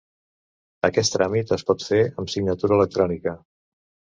Aquest tràmit es pot fer amb signatura electrònica.